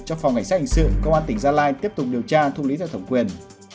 cho phòng cảnh sát hình sự công an tỉnh gia lai tiếp tục điều tra thu lý theo thẩm quyền